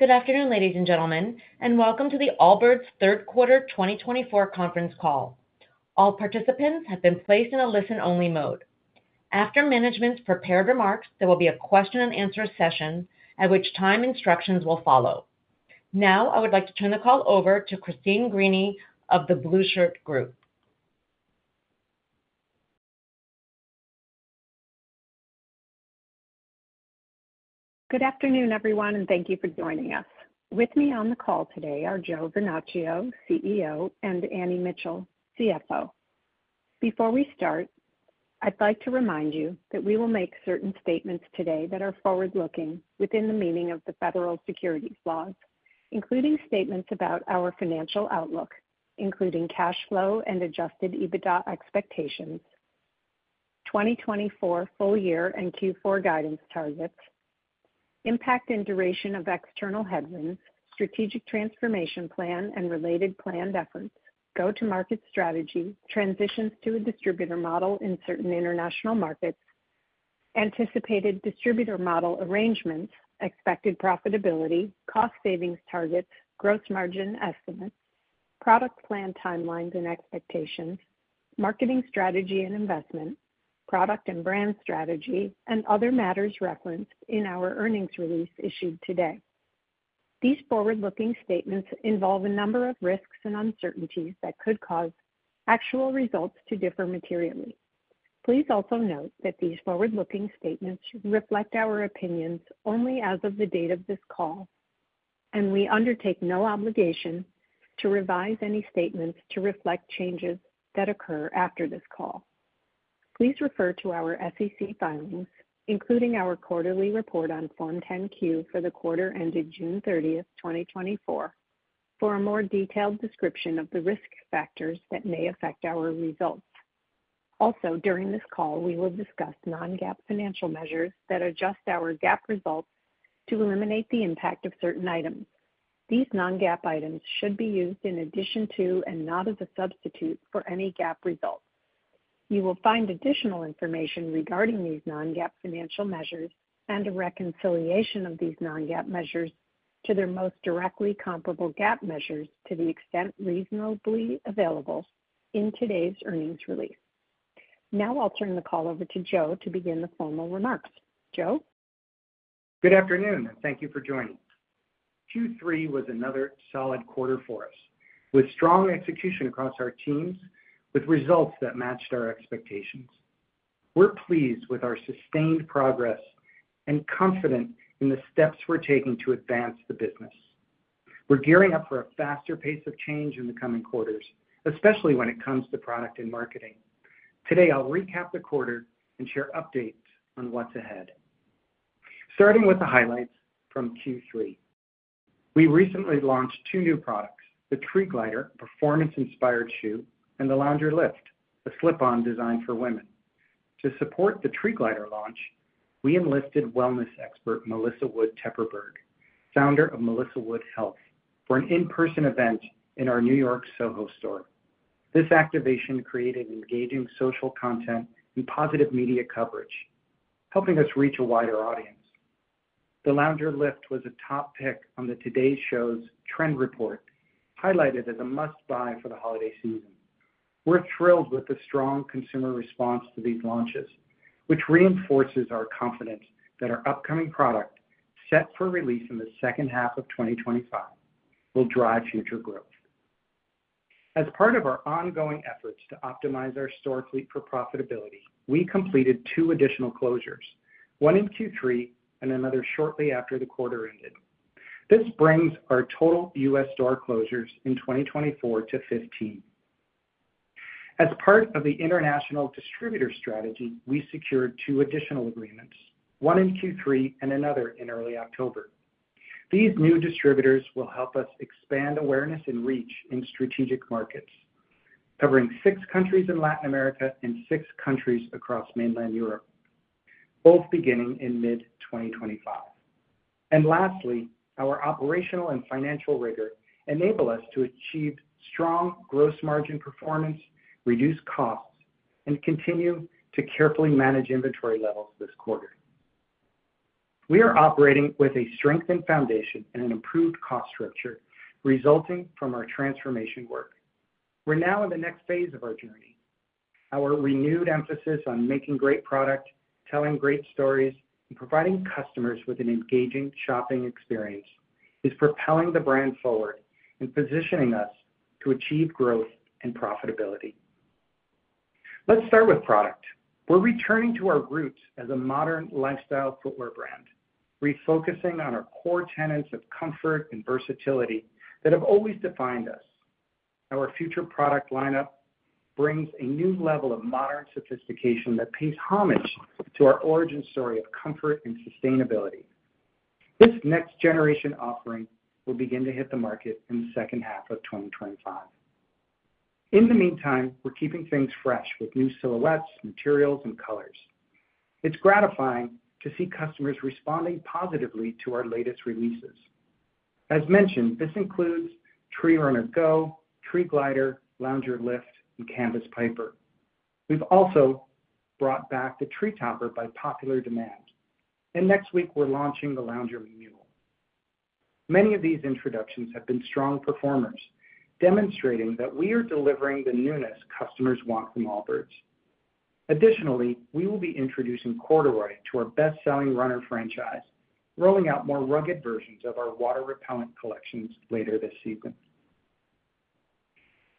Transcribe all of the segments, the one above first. Good afternoon, ladies and gentlemen, and welcome to the Allbirds third quarter 2024 conference call. All participants have been placed in a listen-only mode. After management's prepared remarks, there will be a question-and-answer session, at which time instructions will follow. Now, I would like to turn the call over to Christine Greany of The Blueshirt Group. Good afternoon, everyone, and thank you for joining us. With me on the call today are Joe Vernachio, CEO, and Annie Mitchell, CFO. Before we start, I'd like to remind you that we will make certain statements today that are forward-looking within the meaning of the federal securities laws, including statements about our financial outlook, including cash flow and Adjusted EBITDA expectations, 2024 full year and Q4 guidance targets, impact and duration of external headwinds, strategic transformation plan and related planned efforts, go-to-market strategy, transitions to a distributor model in certain international markets, anticipated distributor model arrangements, expected profitability, cost savings targets, gross margin estimates, product plan timelines and expectations, marketing strategy and investment, product and brand strategy, and other matters referenced in our earnings release issued today. These forward-looking statements involve a number of risks and uncertainties that could cause actual results to differ materially. Please also note that these forward-looking statements reflect our opinions only as of the date of this call, and we undertake no obligation to revise any statements to reflect changes that occur after this call. Please refer to our SEC filings, including our quarterly report on Form 10-Q for the quarter ended June 30, 2024, for a more detailed description of the risk factors that may affect our results. Also, during this call, we will discuss non-GAAP financial measures that adjust our GAAP results to eliminate the impact of certain items. These non-GAAP items should be used in addition to and not as a substitute for any GAAP results. You will find additional information regarding these non-GAAP financial measures and a reconciliation of these non-GAAP measures to their most directly comparable GAAP measures to the extent reasonably available in today's earnings release. Now, I'll turn the call over to Joe to begin the formal remarks. Joe? Good afternoon, and thank you for joining. Q3 was another solid quarter for us, with strong execution across our teams, with results that matched our expectations. We're pleased with our sustained progress and confident in the steps we're taking to advance the business. We're gearing up for a faster pace of change in the coming quarters, especially when it comes to product and marketing. Today, I'll recap the quarter and share updates on what's ahead. Starting with the highlights from Q3, we recently launched two new products: the Tree Glider performance-inspired shoe and the Lounger Lift, a slip-on design for women. To support the Tree Glider launch, we enlisted wellness expert Melissa Wood Tepperberg, founder of Melissa Wood Health, for an in-person event in our New York SoHo store. This activation created engaging social content and positive media coverage, helping us reach a wider audience. The Lounger Lift was a top pick on the TODAY Show's trend report, highlighted as a must-buy for the holiday season. We're thrilled with the strong consumer response to these launches, which reinforces our confidence that our upcoming product, set for release in the second half of 2025, will drive future growth. As part of our ongoing efforts to optimize our store fleet for profitability, we completed two additional closures, one in Q3 and another shortly after the quarter ended. This brings our total U.S. store closures in 2024 to 15. As part of the international distributor strategy, we secured two additional agreements, one in Q3 and another in early October. These new distributors will help us expand awareness and reach in strategic markets, covering six countries in Latin America and six countries across mainland Europe, both beginning in mid-2025. Lastly, our operational and financial rigor enabled us to achieve strong Gross Margin performance, reduce costs, and continue to carefully manage inventory levels this quarter. We are operating with a strengthened foundation and an improved cost structure resulting from our transformation work. We're now in the next phase of our journey. Our renewed emphasis on making great product, telling great stories, and providing customers with an engaging shopping experience is propelling the brand forward and positioning us to achieve growth and profitability. Let's start with product. We're returning to our roots as a modern lifestyle footwear brand, refocusing on our core tenets of comfort and versatility that have always defined us. Our future product lineup brings a new level of modern sophistication that pays homage to our origin story of comfort and sustainability. This next-generation offering will begin to hit the market in the second half of 2025. In the meantime, we're keeping things fresh with new silhouettes, materials, and colors. It's gratifying to see customers responding positively to our latest releases. As mentioned, this includes Tree Runner Go, Tree Glider, Lounger Lift, and Canvas Piper. We've also brought back the Tree Topper by popular demand, and next week, we're launching the Lounger Mule. Many of these introductions have been strong performers, demonstrating that we are delivering the newness customers want from Allbirds. Additionally, we will be introducing Quarterite to our best-selling runner franchise, rolling out more rugged versions of our water repellent collections later this season.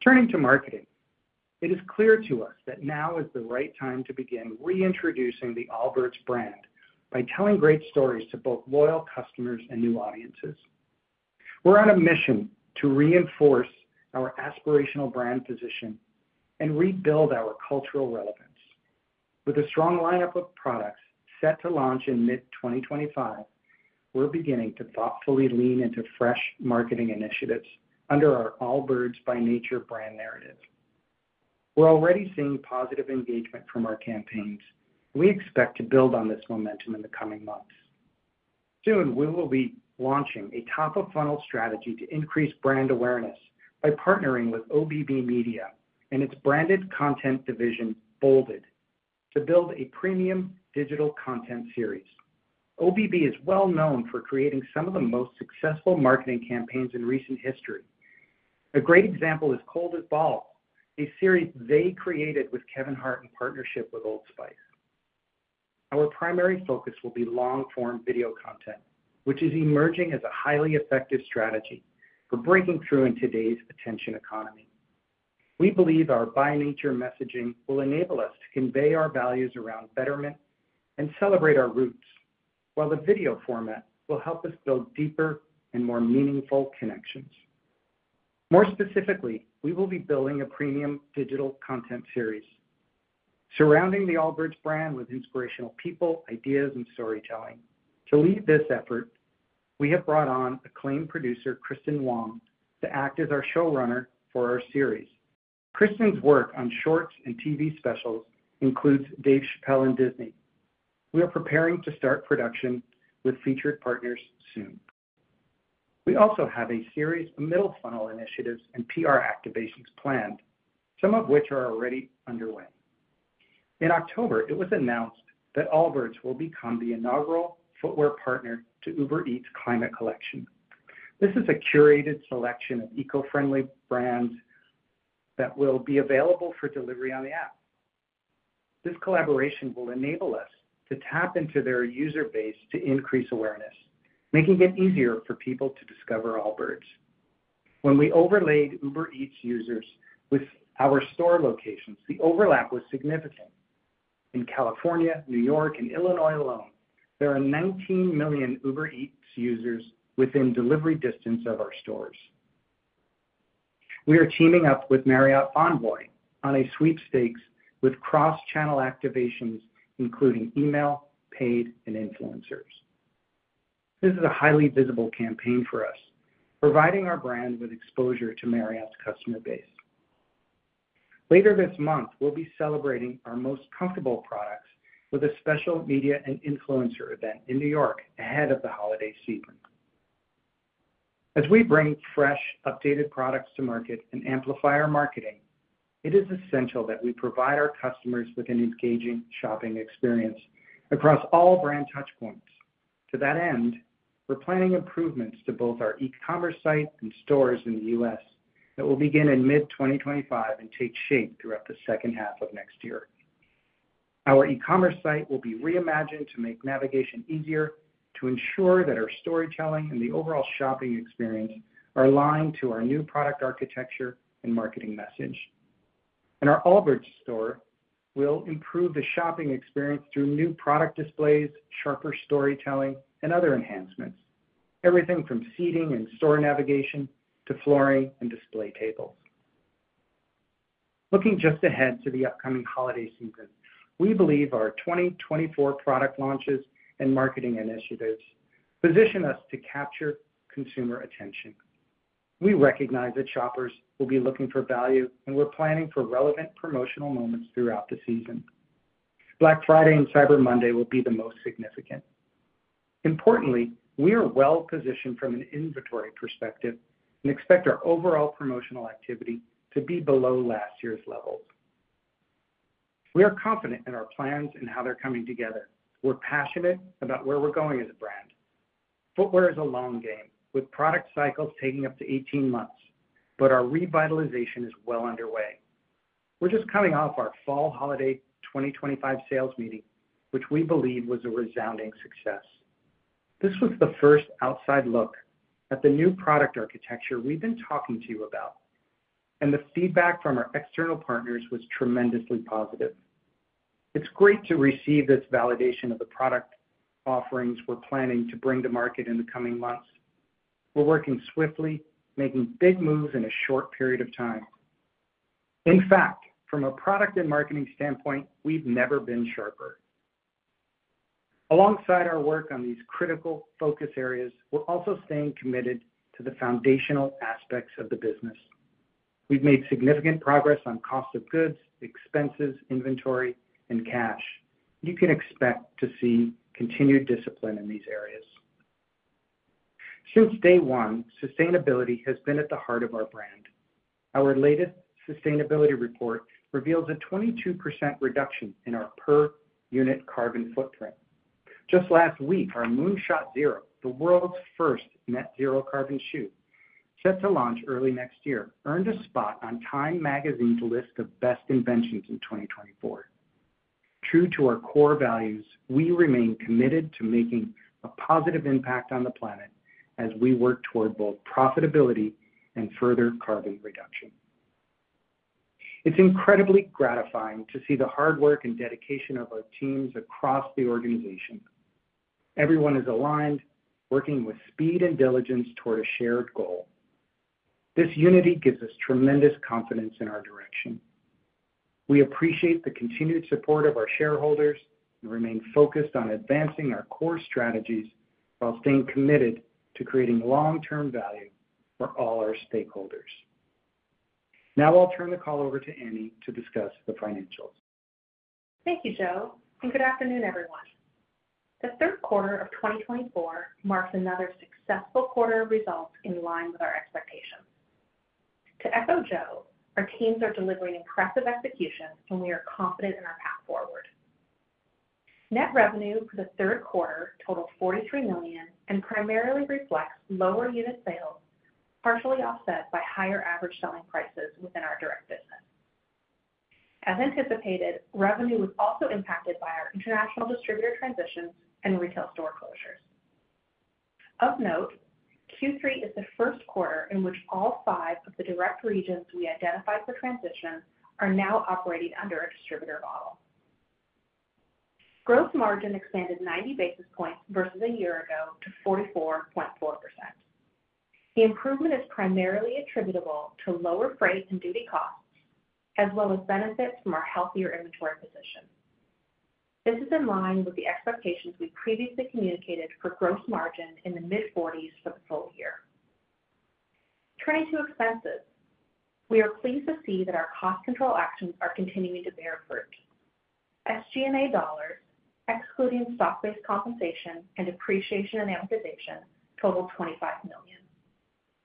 Turning to marketing, it is clear to us that now is the right time to begin reintroducing the Allbirds brand by telling great stories to both loyal customers and new audiences. We're on a mission to reinforce our aspirational brand position and rebuild our cultural relevance. With a strong lineup of products set to launch in mid-2025, we're beginning to thoughtfully lean into fresh marketing initiatives under our Allbirds by Nature brand narrative. We're already seeing positive engagement from our campaigns, and we expect to build on this momentum in the coming months. Soon, we will be launching a top-of-funnel strategy to increase brand awareness by partnering with OBB Media and its branded content division, Bolded, to build a premium digital content series. OBB is well known for creating some of the most successful marketing campaigns in recent history. A great example is Cold as Balls, a series they created with Kevin Hart in partnership with Old Spice. Our primary focus will be long-form video content, which is emerging as a highly effective strategy for breaking through in today's attention economy. We believe our by nature messaging will enable us to convey our values around betterment and celebrate our roots, while the video format will help us build deeper and more meaningful connections. More specifically, we will be building a premium digital content series surrounding the Allbirds brand with inspirational people, ideas, and storytelling. To lead this effort, we have brought on acclaimed producer Kristen Wong to act as our showrunner for our series. Kristen's work on shorts and TV specials includes Dave Chappelle and Disney. We are preparing to start production with featured partners soon. We also have a series of middle funnel initiatives and PR activations planned, some of which are already underway. In October, it was announced that Allbirds will become the inaugural footwear partner to Uber Eats Climate Collection. This is a curated selection of eco-friendly brands that will be available for delivery on the app. This collaboration will enable us to tap into their user base to increase awareness, making it easier for people to discover Allbirds. When we overlaid Uber Eats users with our store locations, the overlap was significant. In California, New York, and Illinois alone, there are 19 million Uber Eats users within delivery distance of our stores. We are teaming up with Marriott Bonvoy on a sweepstakes with cross-channel activations, including email, paid, and influencers. This is a highly visible campaign for us, providing our brand with exposure to Marriott's customer base. Later this month, we'll be celebrating our most comfortable products with a special media and influencer event in New York ahead of the holiday season. As we bring fresh, updated products to market and amplify our marketing, it is essential that we provide our customers with an engaging shopping experience across all brand touchpoints. To that end, we're planning improvements to both our e-commerce site and stores in the U.S. that will begin in mid-2025 and take shape throughout the second half of next year. Our e-commerce site will be reimagined to make navigation easier, to ensure that our storytelling and the overall shopping experience are aligned to our new product architecture and marketing message, and our Allbirds store will improve the shopping experience through new product displays, sharper storytelling, and other enhancements, everything from seating and store navigation to flooring and display tables. Looking just ahead to the upcoming holiday season, we believe our 2024 product launches and marketing initiatives position us to capture consumer attention. We recognize that shoppers will be looking for value, and we're planning for relevant promotional moments throughout the season. Black Friday and Cyber Monday will be the most significant. Importantly, we are well positioned from an inventory perspective and expect our overall promotional activity to be below last year's levels. We are confident in our plans and how they're coming together. We're passionate about where we're going as a brand. Footwear is a long game, with product cycles taking up to 18 months, but our revitalization is well underway. We're just coming off our fall holiday 2025 sales meeting, which we believe was a resounding success. This was the first outside look at the new product architecture we've been talking to you about, and the feedback from our external partners was tremendously positive. It's great to receive this validation of the product offerings we're planning to bring to market in the coming months. We're working swiftly, making big moves in a short period of time. In fact, from a product and marketing standpoint, we've never been sharper. Alongside our work on these critical focus areas, we're also staying committed to the foundational aspects of the business. We've made significant progress on cost of goods, expenses, inventory, and cash. You can expect to see continued discipline in these areas. Since day one, sustainability has been at the heart of our brand. Our latest sustainability report reveals a 22% reduction in our per-unit carbon footprint. Just last week, our Moonshot Zero, the world's first net-zero carbon shoe, set to launch early next year, earned a spot on TIME magazine's list of best inventions in 2024. True to our core values, we remain committed to making a positive impact on the planet as we work toward both profitability and further carbon reduction. It's incredibly gratifying to see the hard work and dedication of our teams across the organization. Everyone is aligned, working with speed and diligence toward a shared goal. This unity gives us tremendous confidence in our direction. We appreciate the continued support of our shareholders and remain focused on advancing our core strategies while staying committed to creating long-term value for all our stakeholders. Now I'll turn the call over to Annie to discuss the financials. Thank you, Joe, and good afternoon, everyone. The third quarter of 2024 marks another successful quarter of results in line with our expectations. To echo Joe, our teams are delivering impressive execution, and we are confident in our path forward. Net revenue for the third quarter totaled $43 million and primarily reflects lower unit sales, partially offset by higher average selling prices within our direct business. As anticipated, revenue was also impacted by our international distributor transitions and retail store closures. Of note, Q3 is the first quarter in which all five of the direct regions we identified for transition are now operating under a distributor model. Gross margin expanded 90 basis points versus a year ago to 44.4%. The improvement is primarily attributable to lower freight and duty costs, as well as benefits from our healthier inventory position. This is in line with the expectations we previously communicated for gross margin in the mid-40s for the full year. Turning to expenses, we are pleased to see that our cost control actions are continuing to bear fruit. SG&A dollars, excluding stock-based compensation and depreciation and amortization, total $25 million.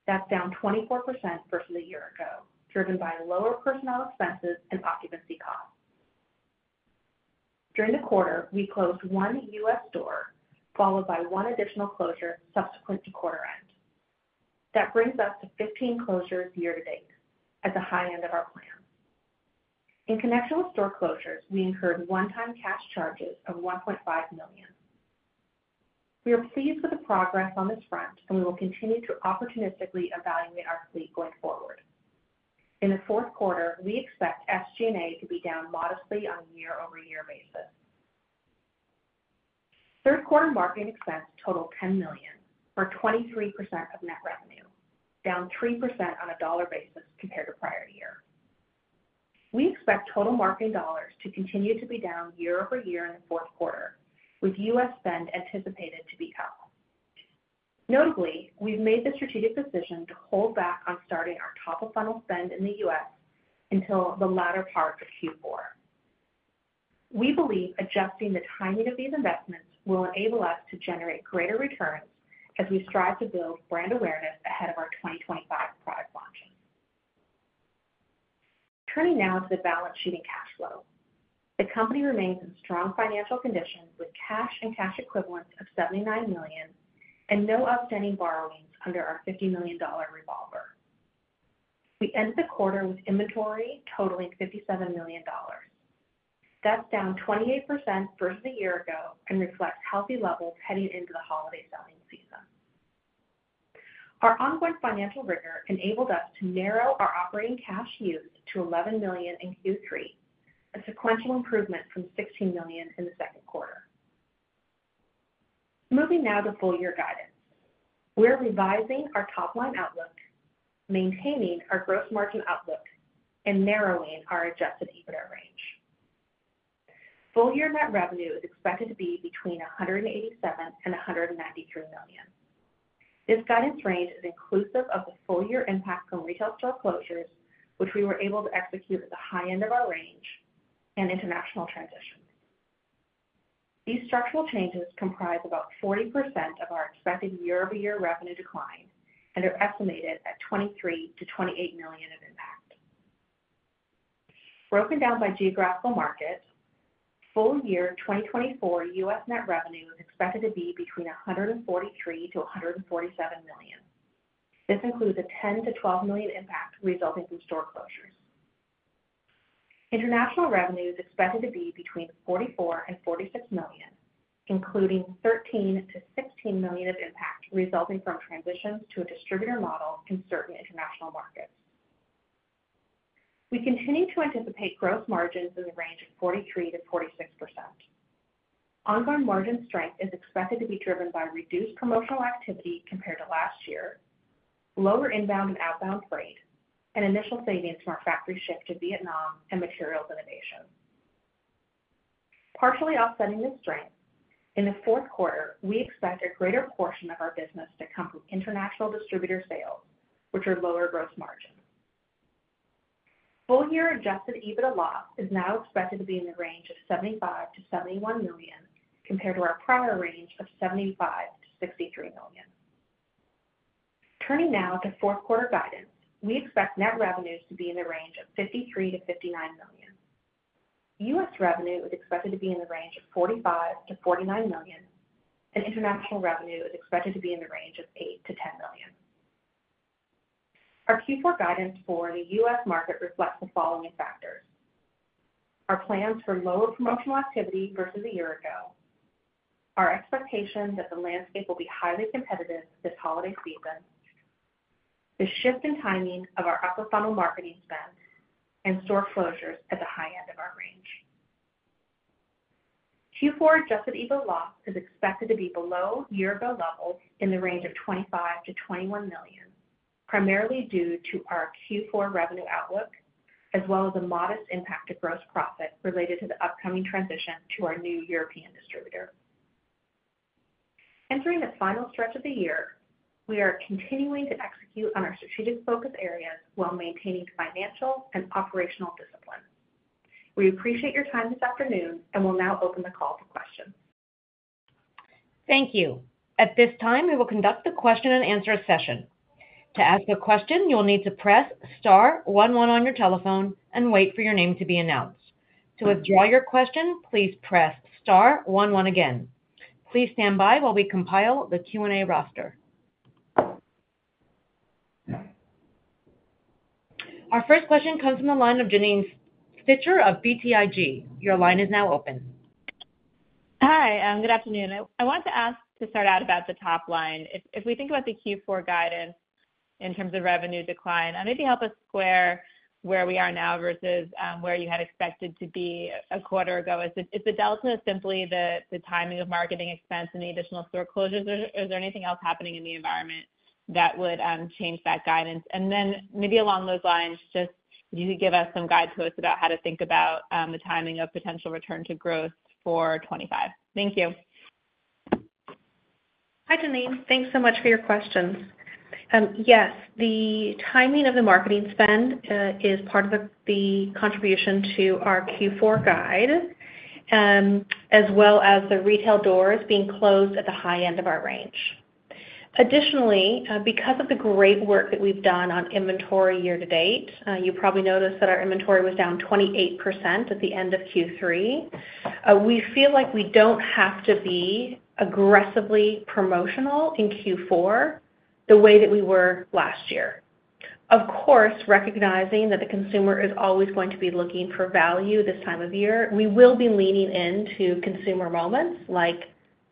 That's down 24% versus a year ago, driven by lower personnel expenses and occupancy costs. During the quarter, we closed one U.S. store, followed by one additional closure subsequent to quarter end. That brings us to 15 closures year to date at the high end of our plan. In connection with store closures, we incurred one-time cash charges of $1.5 million. We are pleased with the progress on this front, and we will continue to opportunistically evaluate our fleet going forward. In the fourth quarter, we expect SG&A to be down modestly on a year-over-year basis. Third quarter marketing expense totaled $10 million for 23% of net revenue, down 3% on a dollar basis compared to prior year. We expect total marketing dollars to continue to be down year over year in the fourth quarter, with U.S. spend anticipated to be up. Notably, we've made the strategic decision to hold back on starting our top-of-funnel spend in the U.S. until the latter part of Q4. We believe adjusting the timing of these investments will enable us to generate greater returns as we strive to build brand awareness ahead of our 2025 product launches. Turning now to the balance sheet and cash flow. The company remains in strong financial condition with cash and cash equivalents of $79 million and no outstanding borrowings under our $50 million revolver. We end the quarter with inventory totaling $57 million. That's down 28% versus a year ago and reflects healthy levels heading into the holiday selling season. Our ongoing financial rigor enabled us to narrow our operating cash use to $11 million in Q3, a sequential improvement from $16 million in the second quarter. Moving now to full-year guidance. We're revising our top-line outlook, maintaining our gross margin outlook, and narrowing our adjusted EBITDA range. Full-year net revenue is expected to be between $187 million and $193 million. This guidance range is inclusive of the full-year impact from retail store closures, which we were able to execute at the high end of our range, and international transitions. These structural changes comprise about 40% of our expected year-over-year revenue decline and are estimated at $23 million-$28 million of impact. Broken down by geographical market, full-year 2024 U.S. net revenue is expected to be between $143 million-$147 million. This includes a $10 million-$12 million impact resulting from store closures. International revenue is expected to be between $44 million and $46 million, including $13 million-$16 million of impact resulting from transitions to a distributor model in certain international markets. We continue to anticipate gross margins in the range of 43%-46%. Ongoing margin strength is expected to be driven by reduced promotional activity compared to last year, lower inbound and outbound freight, and initial savings from our factory shift to Vietnam and materials innovation. Partially offsetting this strength, in the fourth quarter, we expect a greater portion of our business to come from international distributor sales, which are lower gross margins. Full-year Adjusted EBITDA loss is now expected to be in the range of $75 million-$71 million compared to our prior range of $75 million-$63 million. Turning now to fourth quarter guidance, we expect net revenues to be in the range of $53 million-$59 million. U.S. revenue is expected to be in the range of $45 million-$49 million, and international revenue is expected to be in the range of $8 million-$10 million. Our Q4 guidance for the U.S. market reflects the following factors: our plans for lower promotional activity versus a year ago, our expectation that the landscape will be highly competitive this holiday season, the shift in timing of our upper funnel marketing spend, and store closures at the high end of our range. Q4 Adjusted EBITDA loss is expected to be below year-ago levels in the range of $25 million-$21 million, primarily due to our Q4 revenue outlook, as well as a modest impact of gross profit related to the upcoming transition to our new European distributor. Entering the final stretch of the year, we are continuing to execute on our strategic focus areas while maintaining financial and operational discipline. We appreciate your time this afternoon, and we'll now open the call for questions. Thank you. At this time, we will conduct the question-and-answer session. To ask a question, you'll need to press star one one on your telephone and wait for your name to be announced. To withdraw your question, please press star one one again. Please stand by while we compile the Q&A roster. Our first question comes from the line of Janine Stichter of BTIG. Your line is now open. Hi, good afternoon. I wanted to ask to start out about the top line. If we think about the Q4 guidance in terms of revenue decline, maybe help us square where we are now versus where you had expected to be a quarter ago. Is the delta simply the timing of marketing expense and the additional store closures? Or is there anything else happening in the environment that would change that guidance? And then maybe along those lines, just if you could give us some guidance about how to think about the timing of potential return to growth for 2025. Thank you. Hi, Janine. Thanks so much for your questions. Yes, the timing of the marketing spend is part of the contribution to our Q4 guide, as well as the retail doors being closed at the high end of our range. Additionally, because of the great work that we've done on inventory year to date, you probably noticed that our inventory was down 28% at the end of Q3. We feel like we don't have to be aggressively promotional in Q4 the way that we were last year. Of course, recognizing that the consumer is always going to be looking for value this time of year, we will be leaning into consumer moments like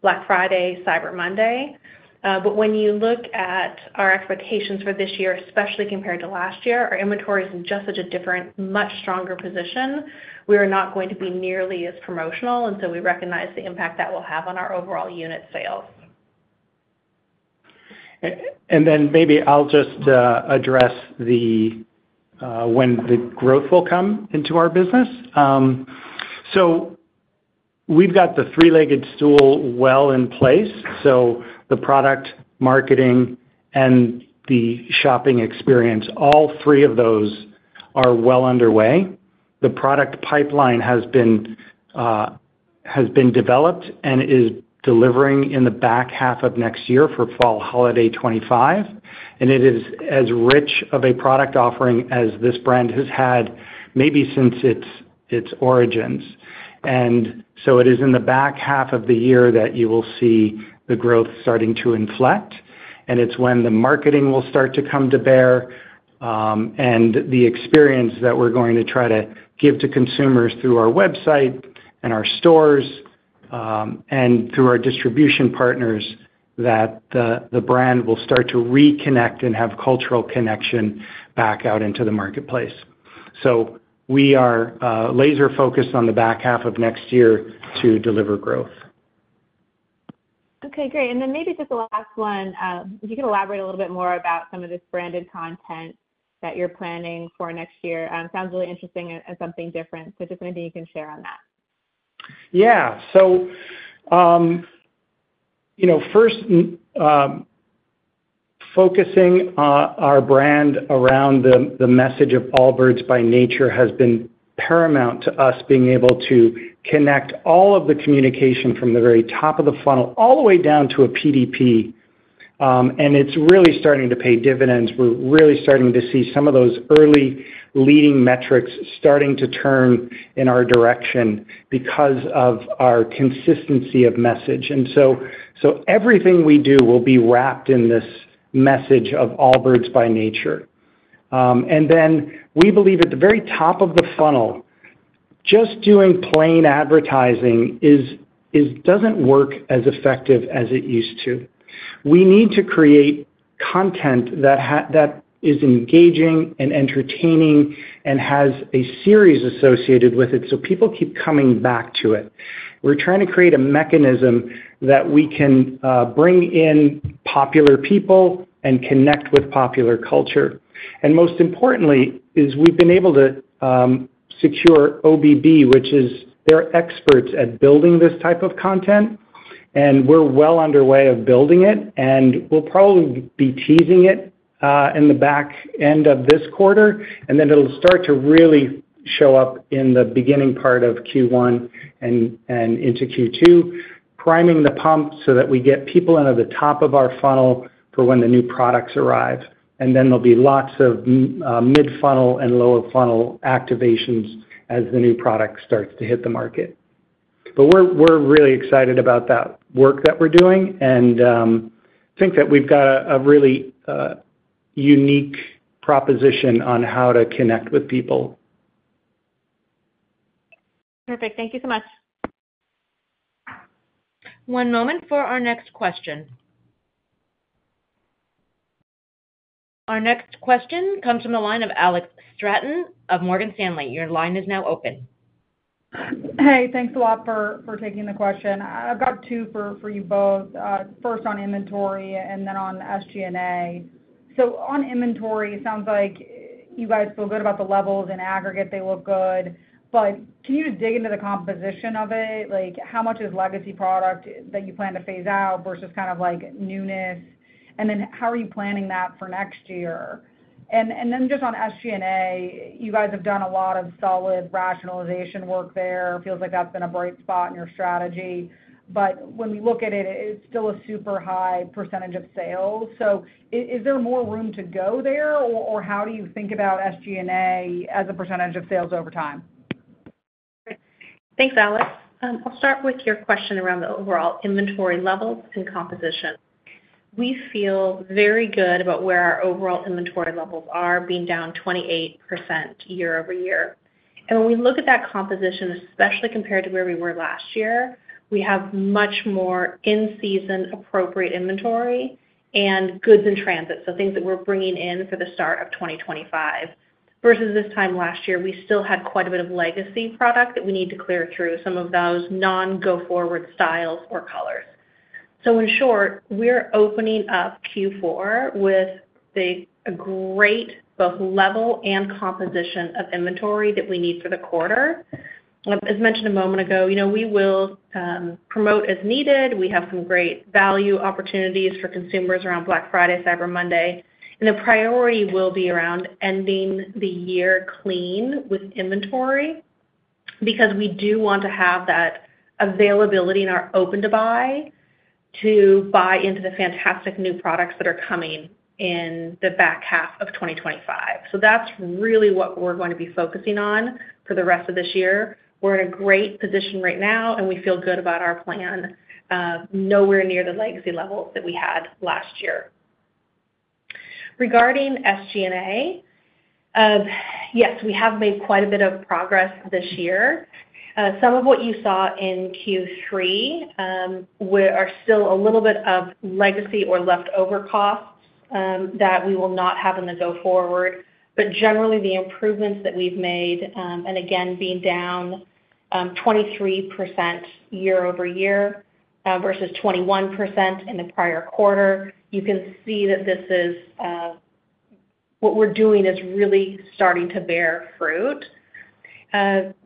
Black Friday, Cyber Monday. But when you look at our expectations for this year, especially compared to last year, our inventory is in just such a different, much stronger position. We are not going to be nearly as promotional, and so we recognize the impact that will have on our overall unit sales. And then maybe I'll just address when the growth will come into our business. So we've got the three-legged stool well in place. So the product, marketing, and the shopping experience, all three of those are well underway. The product pipeline has been developed and is delivering in the back half of next year for fall holiday 2025. And it is as rich of a product offering as this brand has had maybe since its origins. And so it is in the back half of the year that you will see the growth starting to inflect. And it's when the marketing will start to come to bear and the experience that we're going to try to give to consumers through our website and our stores and through our distribution partners that the brand will start to reconnect and have cultural connection back out into the marketplace. So we are laser-focused on the back half of next year to deliver growth. Okay, great. And then maybe just the last one, if you could elaborate a little bit more about some of this branded content that you're planning for next year. Sounds really interesting and something different. So just anything you can share on that. Yeah. So first, focusing our brand around the message of Allbirds by nature has been paramount to us, being able to connect all of the communication from the very top of the funnel all the way down to a PDP. It's really starting to pay dividends. We're really starting to see some of those early leading metrics starting to turn in our direction because of our consistency of message. So everything we do will be wrapped in this message of Allbirds by nature. Then we believe at the very top of the funnel, just doing plain advertising doesn't work as effective as it used to. We need to create content that is engaging and entertaining and has a series associated with it so people keep coming back to it. We're trying to create a mechanism that we can bring in popular people and connect with popular culture. Most importantly, we've been able to secure OBB, which is their experts at building this type of content. We're well underway of building it. We'll probably be teasing it in the back end of this quarter. And then it'll start to really show up in the beginning part of Q1 and into Q2, priming the pump so that we get people into the top of our funnel for when the new products arrive. And then there'll be lots of mid-funnel and lower funnel activations as the new product starts to hit the market. But we're really excited about that work that we're doing and think that we've got a really unique proposition on how to connect with people. Thank you so much. One moment for our next question. Our next question comes from the line of Alex Straton of Morgan Stanley. Your line is now open. Hey, thanks a lot for taking the question. I've got two for you both. First on inventory and then on SG&A. So on inventory, it sounds like you guys feel good about the levels in aggregate. They look good. But can you just dig into the composition of it? How much is legacy product that you plan to phase out versus kind of like newness? And then how are you planning that for next year? And then just on SG&A, you guys have done a lot of solid rationalization work there. It feels like that's been a bright spot in your strategy. But when we look at it, it's still a super high percentage of sales. So is there more room to go there? Or how do you think about SG&A as a percentage of sales over time? Thanks, Alex. I'll start with your question around the overall inventory levels and composition. We feel very good about where our overall inventory levels are being down 28% year over year. When we look at that composition, especially compared to where we were last year, we have much more in-season appropriate inventory and goods in transit, so things that we're bringing in for the start of 2025. Versus this time last year, we still had quite a bit of legacy product that we need to clear through some of those non-go-forward styles or colors. In short, we're opening up Q4 with a great both level and composition of inventory that we need for the quarter. As mentioned a moment ago, we will promote as needed. We have some great value opportunities for consumers around Black Friday, Cyber Monday. The priority will be around ending the year clean with inventory because we do want to have that availability in our open-to-buy to buy into the fantastic new products that are coming in the back half of 2025. So that's really what we're going to be focusing on for the rest of this year. We're in a great position right now, and we feel good about our plan, nowhere near the legacy levels that we had last year. Regarding SG&A, yes, we have made quite a bit of progress this year. Some of what you saw in Q3 are still a little bit of legacy or leftover costs that we will not have in the go forward. But generally, the improvements that we've made and again, being down 23% year over year versus 21% in the prior quarter, you can see that this is what we're doing is really starting to bear fruit.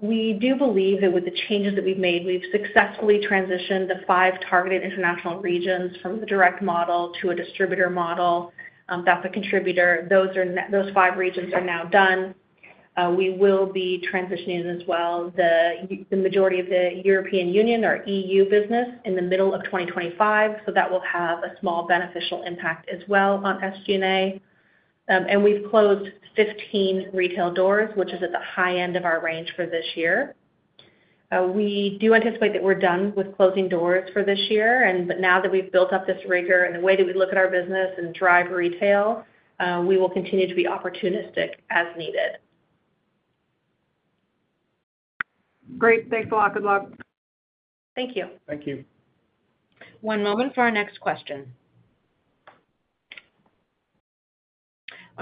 We do believe that with the changes that we've made, we've successfully transitioned the five targeted international regions from the direct model to a distributor model. That's a contributor. Those five regions are now done. We will be transitioning, as well, the majority of the European Union or EU business in the middle of 2025. So that will have a small beneficial impact as well on SG&A. And we've closed 15 retail doors, which is at the high end of our range for this year. We do anticipate that we're done with closing doors for this year. But now that we've built up this rigor and the way that we look at our business and drive retail, we will continue to be opportunistic as needed. Great. Thanks a lot. Good luck. Thank you. Thank you. One moment for our next question.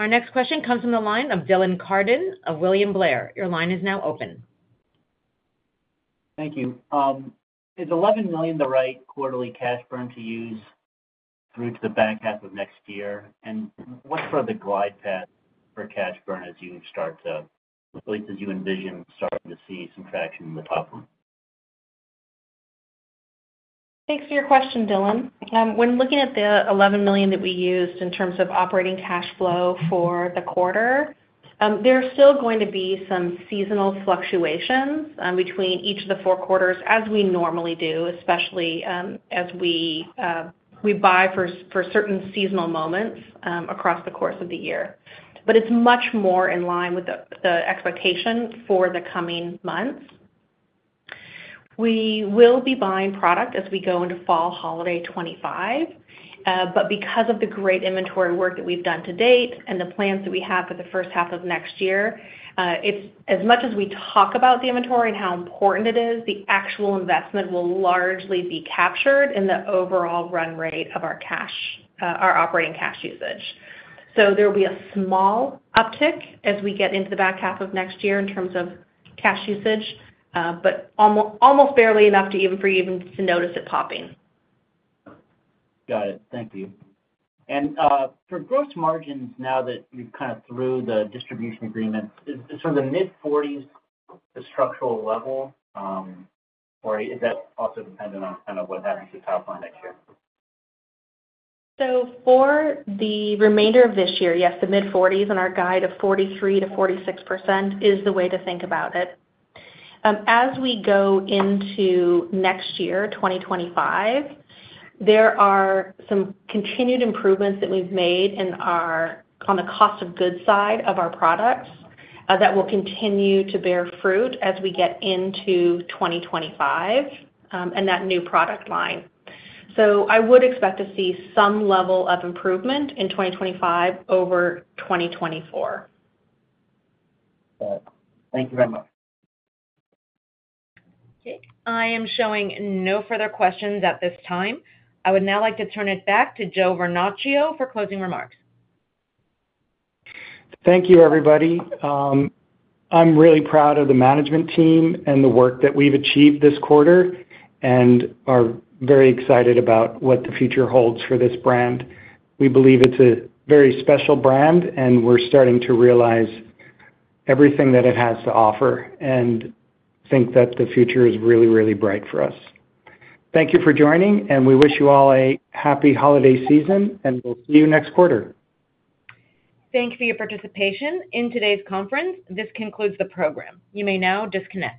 Our next question comes from the line of Dylan Carden of William Blair. Your line is now open. Thank you. Is $11 million the right quarterly cash burn to use through to the back half of next year? What's sort of the glide path for cash burn as you start to, at least as you envision starting to see some traction in the top line? Thanks for your question, Dylan. When looking at the $11 million that we used in terms of operating cash flow for the quarter, there are still going to be some seasonal fluctuations between each of the four quarters, as we normally do, especially as we buy for certain seasonal moments across the course of the year. But it's much more in line with the expectation for the coming months. We will be buying product as we go into fall holiday 2025. But because of the great inventory work that we've done to date and the plans that we have for the first half of next year, as much as we talk about the inventory and how important it is, the actual investment will largely be captured in the overall run rate of our operating cash usage. So there will be a small uptick as we get into the back half of next year in terms of cash usage, but almost barely enough for you even to notice it popping. Got it. Thank you. And for gross margins, now that you've kind of through the distribution agreements, is, for the mid-40s, the structural level, or is that also dependent on kind of what happens to top line next year? So for the remainder of this year, yes, the mid-40s and our guide of 43%-46% is the way to think about it. As we go into next year, 2025, there are some continued improvements that we've made on the cost of goods side of our products that will continue to bear fruit as we get into 2025 and that new product line. So I would expect to see some level of improvement in 2025 over 2024. Thank you very much. Okay. I am showing no further questions at this time. I would now like to turn it back to Joe Vernachio for closing remarks. Thank you, everybody. I'm really proud of the management team and the work that we've achieved this quarter and are very excited about what the future holds for this brand. We believe it's a very special brand, and we're starting to realize everything that it has to offer and think that the future is really, really bright for us. Thank you for joining, and we wish you all a happy holiday season, and we'll see you next quarter. Thank you for your participation in today's conference. This concludes the program. You may now disconnect.